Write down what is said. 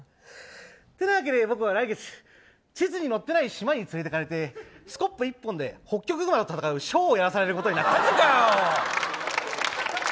てなわけで、僕は来月地図に載っていない島に連れていかれてスコップ１本でホッキョクグマと戦うショーをやらされることになった。